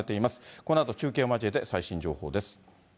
このあと中継を交えて最新情報です。